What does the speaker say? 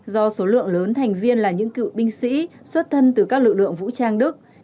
do số lượng lớn thành viên là những cựu binh sĩ xuất thân từ các lực lượng vũ trang đức